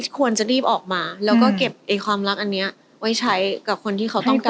ควรจะรีบออกมาแล้วก็เก็บความรักอันนี้ไว้ใช้กับคนที่เขาต้องการ